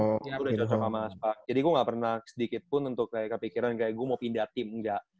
iya gue udah cocok sama aspak jadi gue gak pernah sedikitpun untuk kayak kepikiran kayak gue mau pindah tim enggak